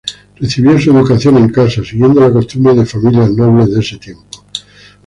Recibió su educación en casa, siguiendo la costumbre de familias nobles de ese tiempo.